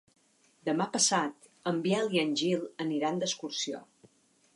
Demà passat en Biel i en Gil aniran d'excursió.